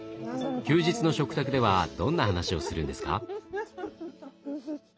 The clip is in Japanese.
休日の食卓ではどんな話をするんですか？